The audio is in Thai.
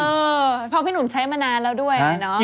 เออเพราะพี่หนุ่มใช้มานานแล้วด้วยเนาะ